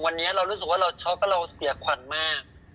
เพราะเราเสียขวัญมาก